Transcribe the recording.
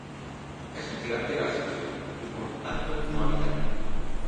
Es un gigante gaseoso, y por tanto no habitable.